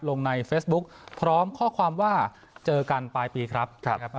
ลงในเฟซบุ๊คพร้อมข้อความว่าเจอกันปลายปีครับ